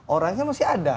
orangnya masih ada